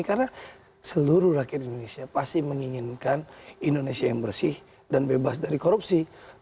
karena seluruh rakyat indonesia pasti menginginkan indonesia yang bersih dan bebas dari korupsi